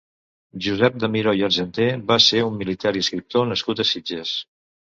Josep de Miró i Argenter va ser un militar i escriptor nascut a Sitges.